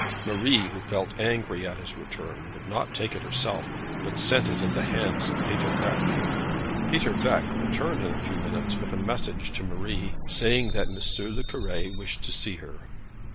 Marie, who felt angry at his return, would not take it herself, but sent it in by the hands of Peter Veque. Peter Veque returned in a few minutes with a message to Marie, saying that M. le Cure wished to see her.